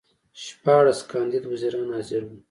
شپاړس کاندید وزیران حاضر وو.